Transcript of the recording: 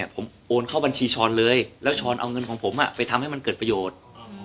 ผมโอนเข้าบัญชีช้อนเลยแล้วช้อนเอาเงินของผมไปทำให้มันเกิดประโยชน์